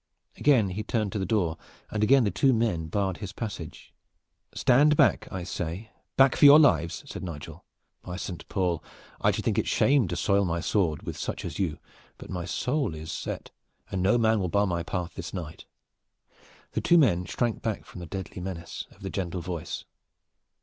Again he turned to the door, and again the two men barred his passage. "Stand back, I say, back for your lives!" said Nigel. "By Saint Paul! I should think it shame to soil my sword with such as you, but my soul is set, and no man shall bar my path this night." The men shrank from the deadly menace of that gentle voice.